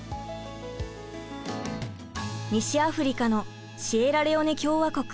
西アフリカのシエラレオネ共和国。